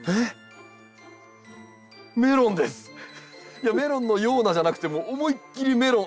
いやメロンのようなじゃなくてもう思いっきりメロン。